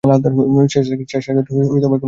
কি হয়েছে, শেষ সার্কিটে কোনও লাল তার নেই।